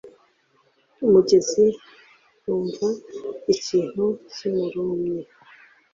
mugezi yumva ikintu kimurumye